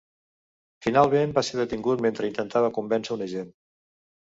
Finalment, va ser detingut mentre intentava convèncer un agent.